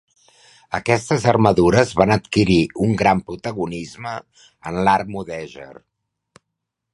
Aquestes armadures van adquirir un gran protagonisme en l'art mudèjar.